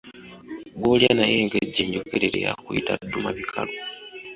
Gw'olya naye enkejje enjokerere, y’akuyita ddumabikalu.